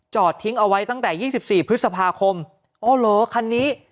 จอดทิ้งเอาไว้ตั้งแต่ยี่สิบสี่พฤษภาคมอ้อเหรอคันนี้